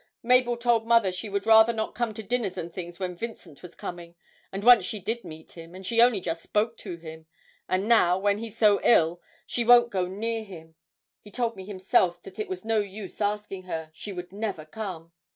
Mabel told mother she would rather not come to dinners and things when Vincent was coming, and once she did meet him, and she only just spoke to him. And now, when he's so ill, she won't go near him he told me himself that it was no use asking her, she would never come!